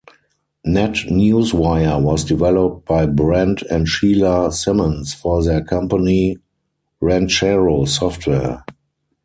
NetNewsWire was developed by Brent and Sheila Simmons for their company Ranchero Software.